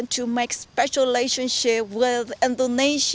kita ingin membuat hubungan khusus dengan orang indonesia